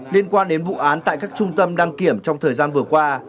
liên quan đến vụ án tại các trung tâm đăng kiểm trong thời gian vừa qua